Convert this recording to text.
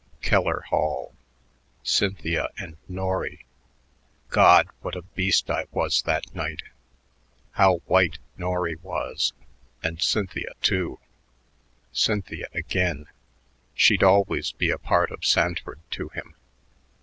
Keller Hall, Cynthia and Norry.... "God, what a beast I was that night. How white Norry was and Cynthia, too," Cynthia again. She'd always be a part of Sanford to him.